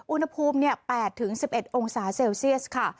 อุณหภูมิ๘๑๑องศาเซลเซียสค่ะ